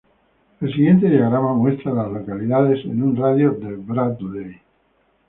El siguiente diagrama muestra a las localidades en un radio de de Bradley.